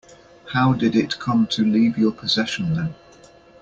How did it come to leave your possession then?